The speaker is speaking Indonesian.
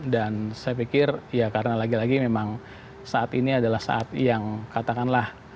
dan saya pikir ya karena lagi lagi memang saat ini adalah saat yang katakanlah